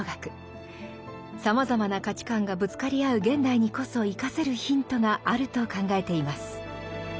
さまざまな価値観がぶつかり合う現代にこそ生かせるヒントがあると考えています。